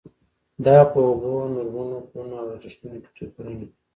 دا په اوبو، نورمونو، کړنو او ارزښتونو کې توپیرونه دي.